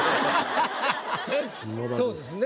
そうですね。